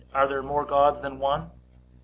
Are there more Gods than one? A.